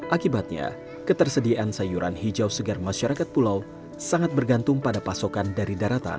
akibatnya ketersediaan sayuran hijau segar masyarakat pulau sangat bergantung pada pasokan dari daratan